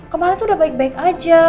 kemarin tuh udah baik baik aja